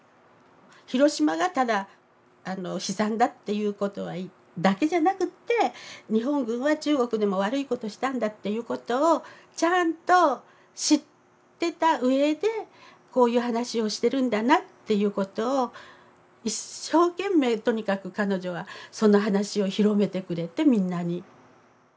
広島がただ悲惨だっていうことだけじゃなくて日本軍は中国でも悪いことしたんだっていうことをちゃんと知ってたうえでこういう話をしてるんだなっていうことを一生懸命とにかく彼女はその話を広めてくれてみんなに。